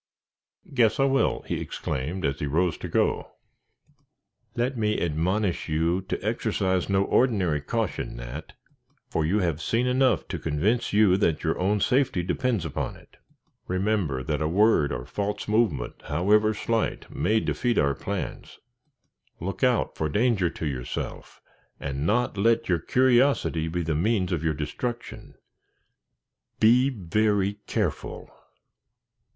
"Guess I will!" he exclaimed, as he rose to go. "Wait a moment," said I, detaining him. "Let me admonish you to exercise no ordinary caution, Nat, for you have seen enough to convince you that your own safety depends upon it. Remember that a word or false movement, however slight, may defeat our plans. Look out for danger to yourself, and not let your curiosity be the means of your destruction. _Be very careful.